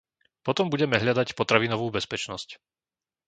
Potom budeme hľadať potravinovú bezpečnosť.